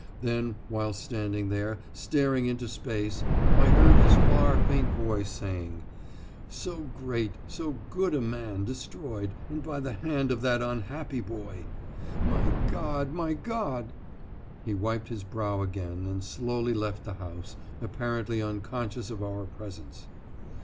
Then, while standing there, staring into space, I heard his far, faint voice saying: "So great so good a man destroyed, and by the hand of that unhappy boy! my God! my God!" He wiped his brow again and slowly left the house, apparently unconscious of our presence.